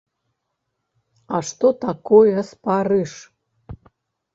А што такое спарыш?